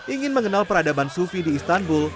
ingin mengenal peradaban sufi di istanbul